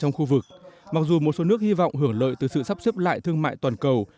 trong khu vực mặc dù một số nước hy vọng hưởng lợi từ sự sắp xếp lại thương mại toàn cầu